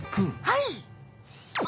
はい。